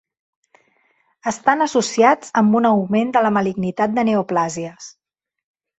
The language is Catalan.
Estan associats amb un augment de la malignitat de neoplàsies.